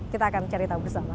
kita akan cari tahu bersama